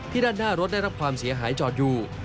ด้านหน้ารถได้รับความเสียหายจอดอยู่